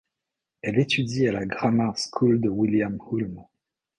Elle étudie à la Grammar School de William Hulme.